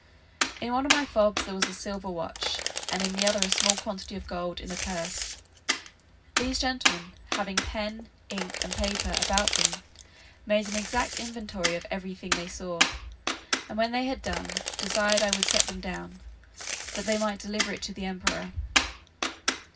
In one of my fobs there was a silver watch, and in the other a small quantity of gold in a purse. These gentlemen, having pen, ink, and paper, about them, made an exact inventory of every thing they saw; and when they had done, desired I would set them down, that they might deliver it to the emperor.